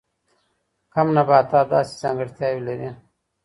کم نباتات داسې ځانګړتیاوې لري.